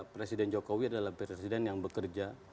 presiden jokowi adalah presiden yang bekerja